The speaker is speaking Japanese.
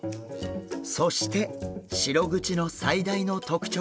そしてシログチの最大の特徴が。